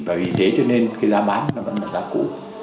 và vì thế cho nên cái giá bán nó vẫn là giá cũ